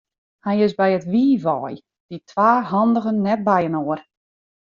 Hy is by it wiif wei, dy twa handigen net byinoar.